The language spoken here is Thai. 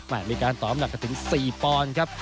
มันมีการตอบหนักถึง๔ปอนด์ครับ